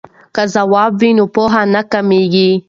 که ځواب وي نو پوهه نه کمېږي.